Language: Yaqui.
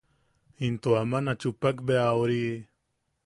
Into aman a chupak bea ori.